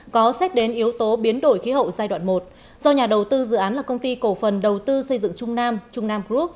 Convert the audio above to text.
có xét đến yếu tố biến đổi khí hậu giai đoạn một do nhà đầu tư dự án là công ty cổ phần đầu tư xây dựng trung nam trung nam group